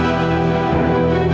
ndra kamu udah nangis